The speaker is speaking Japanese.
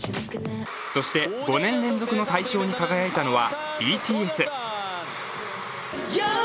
そして、５年連続の大賞に輝いたのはＢＴＳ。